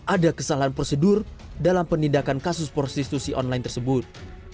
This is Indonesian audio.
ada kesalahan prosedur dalam penindakan kasus prostitusi online tersebut